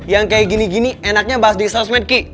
yang kayak gini gini enaknya bahas di sosmed ki